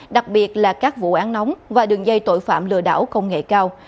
đặc biệt là các vụ án nóng và đường dây tội phạm lừa đảo công nghệ cao